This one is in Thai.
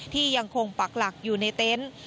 ที่ยังคงปักหลักอยู่ในเต็นต์